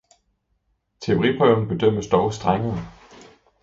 Teoriprøven bedømmes dog strengere